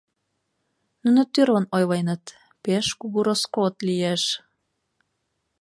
Нуно тӱрлын ойленыт: «Пеш кугу роскот лиеш...